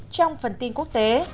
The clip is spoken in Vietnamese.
trong phần tin quốc tế